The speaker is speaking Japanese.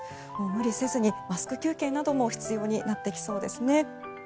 無理せずにマスク休憩なども必要になってきそうですね。